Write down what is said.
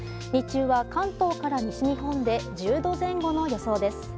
日中は関東から西日本で１０度前後の予想です。